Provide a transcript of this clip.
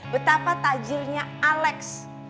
betapa tajilnya alex